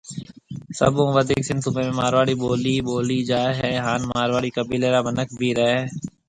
سڀ هون وڌيڪ سنڌ صُوبَي ۾ مارواڙي ٻولي ٻولي جائي هيَ هانَ مارواڙي قيبيلي را مِنک بهيَ رهيَن هيَ۔